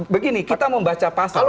begini kita membaca pasal